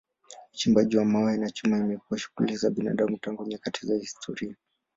Uchimbaji wa mawe na chuma imekuwa shughuli za binadamu tangu nyakati za kihistoria.